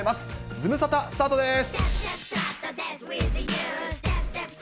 ズムサタ、スタートです。